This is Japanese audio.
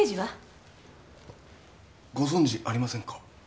ご存じありませんか？